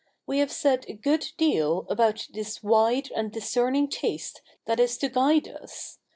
We have said a good deal about this wide and discerning taste that is to guide us.